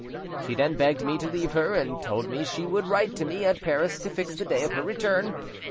She then begged me to leave her, and told me she would write to me at Paris to fix the day of her return.